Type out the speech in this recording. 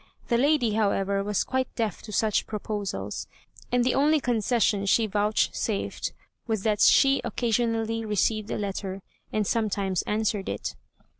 The lady, however, was quite deaf to such proposals, and the only concession she vouchsafed was that she occasionally received a letter, and sometimes answered it.